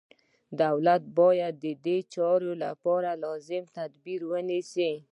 دولت باید ددې چارو لپاره لازم تدابیر ونیسي.